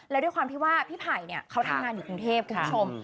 และได้ความที่ว่าพี่ไผ่เนี่ยเขาทำงานอยู่คุณเทพทุกคุณคุณสม